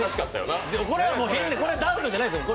これはダウトじゃないんですよ。